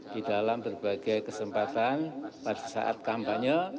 di dalam berbagai kesempatan pada saat kampanye